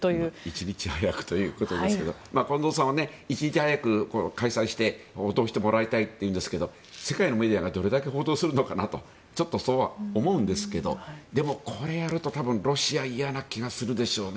１日早くということですが近藤さんは１日早く開催して報道してもらいたいというんですが世界のメディアがどれだけ報道するのかなとちょっと、そうは思うんですけどでも、これをやると、ロシア嫌な気がするでしょうね。